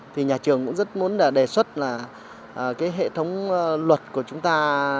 thì nhà trường cũng rất muốn đề xuất là cái hệ thống luật của chúng ta